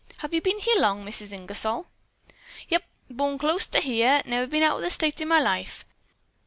"Have you been here long, Mrs. Ingersol?" "Yep, born clost to here. Never been out'n the state in my life.